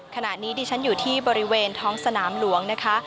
ขณะนี้ดิฉันอยู่ที่บริเวณท้องสนามหลวงนะคะ